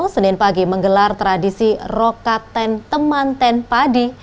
senin pagi menggelar tradisi rokaten temanten padi